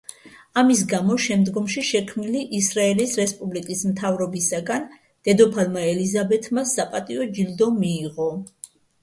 ამის გამო შემდგომში შექმნილი ისრაელის რესპუბლიკის მთავრობისაგან დედოფალმა ელიზაბეთმა საპატიო ჯილდო მიიღო.